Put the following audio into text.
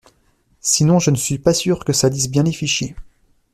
sinon je ne suis pas sûr que ça lise bien les fichiers!